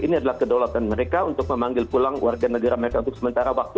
ini adalah kedaulatan mereka untuk memanggil pulang warga negara mereka untuk sementara waktu